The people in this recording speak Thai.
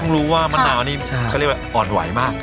รู้ว่ามะนาวนี่เขาเรียกว่าอ่อนไหวมาก